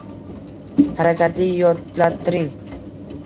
Harakatli yodlattiring.